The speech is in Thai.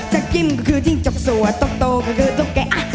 จะกินก็คือทิ้งจบสั่วโต๊ะโตก็คือโต๊ะแก๊อ๊ะ